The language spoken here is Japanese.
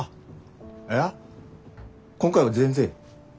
いや今回は全然。